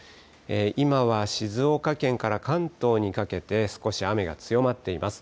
今は静岡県から関東にかけて、少し雨が強まっています。